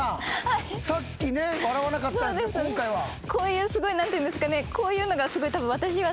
こういうすごい何て言うんですかね。